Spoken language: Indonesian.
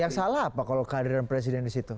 yang salah apa kalau kehadiran presiden di situ